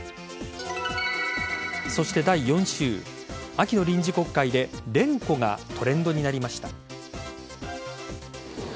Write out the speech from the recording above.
そして第４週秋の臨時国会で連呼がトレンドになりました。